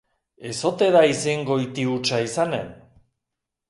Ez ote da izengoiti hutsa izanen?